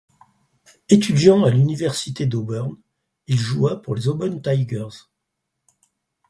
Étudiant à l'université d'Auburn, il joua pour les Auburn Tigers.